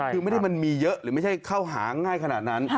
คือไม่ได้มันมีเยอะหรือไม่ใช่เข้าหาง่ายขนาดนั้น